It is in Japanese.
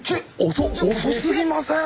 遅遅すぎません？